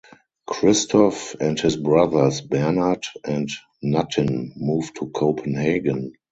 Christoph and his brothers Bernhard and Nuttin moved to Copenhagen.